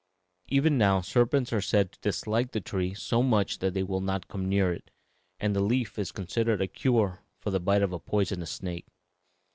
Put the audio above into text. Even now serpents are said to dislike the tree so much that they will not come near it, and the leaf is considered a cure for the bite of a poisonous snake.